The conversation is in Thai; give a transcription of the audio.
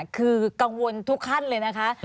คือกังวลทุกขั้นเลยนะคะ